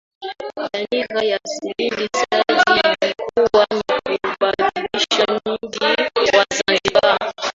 Dhamira ya Seyyid Said ilikuwa ni kuubadilisha Mji wa Zanzibar